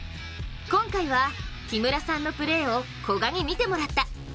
今回は木村さんのプレーを古賀に見てもらった。